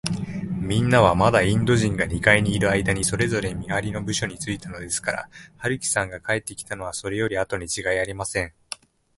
みんなは、まだインド人が二階にいるあいだに、それぞれ見はりの部署についたのですから、春木さんが帰ってきたのは、それよりあとにちがいありません。